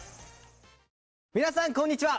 皆さん、こんにちは。